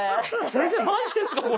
先生マジですかこれ？